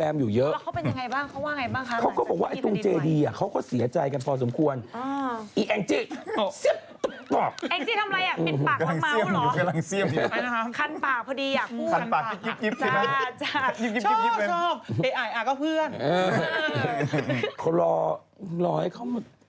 แล้วยังไงต่อล่ะ